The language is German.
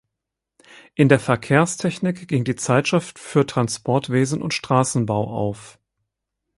In der Verkehrstechnik ging die Zeitschrift für Transportwesen und Straßenbau auf.